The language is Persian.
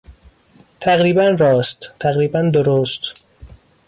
تقریبا راست، تقریبا درست